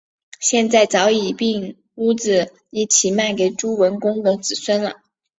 现在是早已并屋子一起卖给朱文公的子孙了